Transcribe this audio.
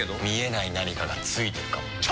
見えない何かがついてるかも。